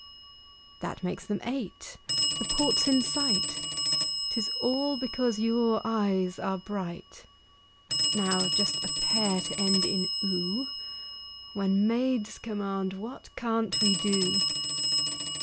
That makes them eight. The port's in sight 'Tis all because your eyes are bright! Now just a pair to end in "oo" When maids command, what can't we do?